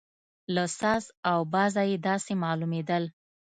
له ساز او بازه یې داسې معلومېدل.